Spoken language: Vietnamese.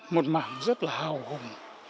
một mảng rất là hào hùng